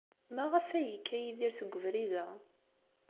Maɣef ay yekka Yidir seg ubrid-a?